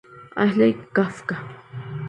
Ashley Kafka.